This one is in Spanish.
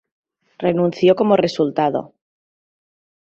Renunció como resultado.